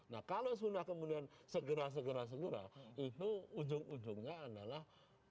nah kalau sudah kemudian segera segera itu ujung ujungnya adalah